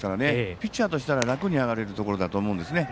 ピッチャーとしては楽に上がれるところだと思うんですね。